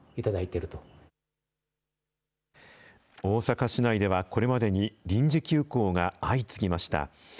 大阪市内ではこれまでに臨時休校が相次ぎました。